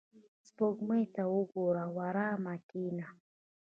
• سپوږمۍ ته وګوره او آرامه کښېنه.